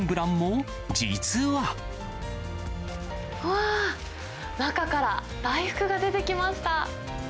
わー、中から大福が出てきました。